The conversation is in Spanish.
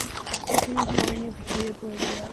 Ese mismo año ficharía por el Real Madrid.